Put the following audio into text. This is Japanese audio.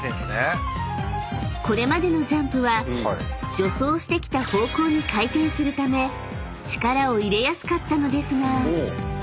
［これまでのジャンプは助走してきた方向に回転するため力を入れやすかったのですが］